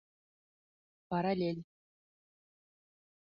Параллель